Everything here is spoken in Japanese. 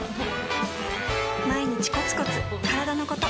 毎日コツコツからだのこと